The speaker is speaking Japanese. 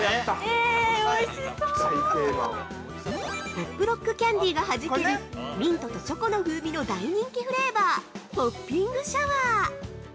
◆ホップロックキャンディがはじけるミントとチョコの風味の大人気フレーバーポッピングシャワー。